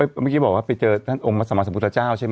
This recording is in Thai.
เมื่อกี้บอกว่าไปเจอท่านองค์สามอำส๑๗๐๐ใช่ไหม